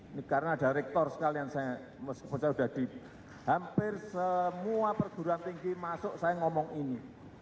ini karena ada rektor sekalian saya meskipun saya sudah di hampir semua perguruan tinggi masuk saya ngomong ini